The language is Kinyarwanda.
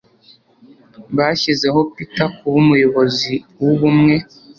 Bashyizeho Peter kuba umuyobozi wubumwe